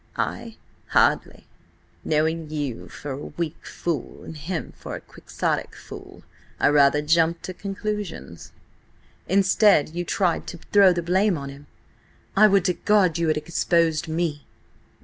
"I? Hardly. Knowing you for a weak fool and him for a quixotic fool, I rather jumped to conclusions." "Instead, you tried to throw the blame on him. I would to God you had exposed me!"